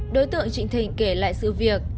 đối tượng trịnh thịnh kể lại sự việc